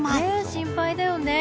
心配だよね。